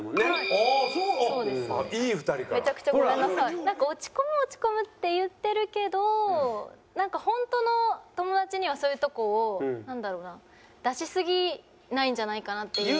なんか落ち込む落ち込むって言ってるけどなんか本当の友達にはそういうとこをなんだろうな出しすぎないんじゃないかなっていう。